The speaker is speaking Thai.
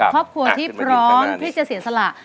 ครอบครัวที่พร้อมที่จะเสียสละ